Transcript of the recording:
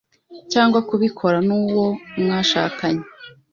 cyangwa kubikora nuwo mwashakanye